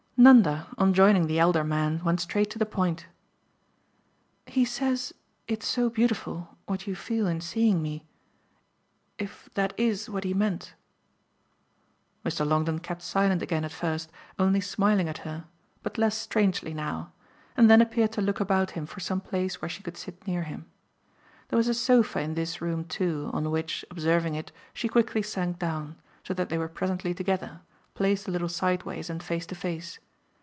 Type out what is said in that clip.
Nanda, on joining the elder man, went straight to the point. "He says it's so beautiful what you feel on seeing me: if that IS what he meant." Mr. Longdon kept silent again at first, only smiling at her, but less strangely now, and then appeared to look about him for some place where she could sit near him. There was a sofa in this room too, on which, observing it, she quickly sank down, so that they were presently together, placed a little sideways and face to face.